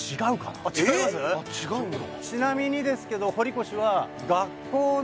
違うんだ。